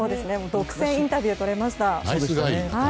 独占インタビュー撮れました。